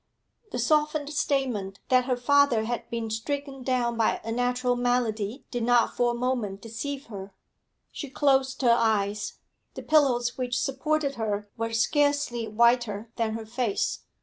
The softened statement that her father had been stricken down by a natural malady did not for a moment deceive her. She closed her eyes; the pillows which supported her were scarcely whiter than her face.